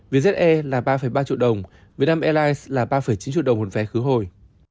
việt ze là ba ba triệu đồng việt nam airlines là ba chín triệu đồng một vé khứ hồi